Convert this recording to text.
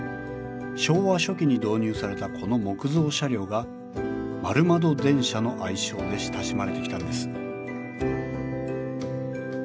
昭和初期に導入されたこの木造車両が「丸窓電車」の愛称で親しまれてきたんです